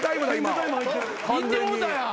いってもうたやん。